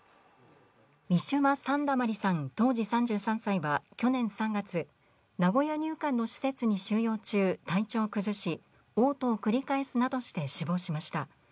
ウィシュマ・サンダマリさん当時３３歳は去年３月、名古屋入管の施設に収容中、体調を崩し、おう吐を繰り返すなどして死亡しました。